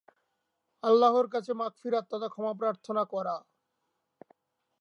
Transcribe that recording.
আল্লাহর কাছে মাগফিরাত তথা ক্ষমাপ্রার্থনা করা।